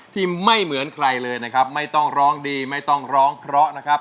ไม่เหมือนใครเลยนะครับไม่ต้องร้องดีไม่ต้องร้องเพราะนะครับ